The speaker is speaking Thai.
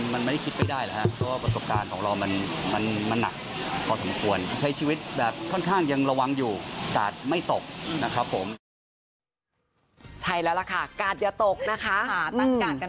คนที่สามมาก็จะแฮปปี้กว่านี้นะ